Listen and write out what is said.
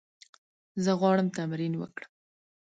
زه غواړم تمرین وکړم.